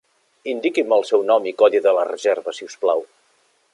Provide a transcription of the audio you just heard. Indiqui'm el seu nom i codi de la reserva si us plau.